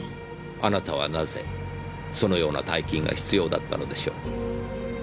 あなたはなぜそのような大金が必要だったのでしょう？